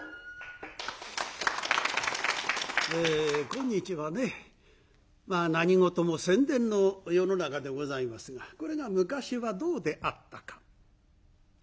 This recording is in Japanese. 今日はね何事も宣伝の世の中でございますがこれが昔はどうであったか。